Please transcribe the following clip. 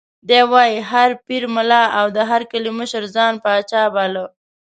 دی وایي: هر پیر، ملا او د هر کلي مشر ځان پاچا باله.